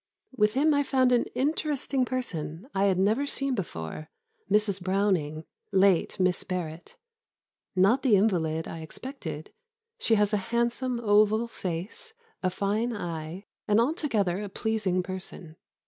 With him I found an interesting person I had never seen before, Mrs. Browning, late Miss Barrett not the invalid I expected; she has a handsome oval face, a fine eye, and altogether a pleasing person.